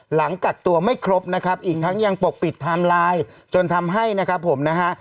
หลังกักตัวไม่ครบนะครับอีกทั้งยังปกปิดไทม์ไลน์จนทำให้นะครับผมนะฮะ